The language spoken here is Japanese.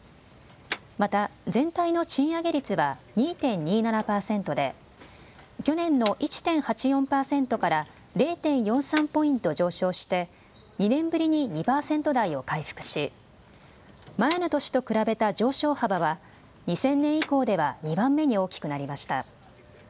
また全体の賃上げ率は２．２７％で去年の１．８４％から０．４３ポイント上昇して２年ぶりに２％台を回復し前の年と比べた上昇幅は２０００年以降では２番目に大きくなりました。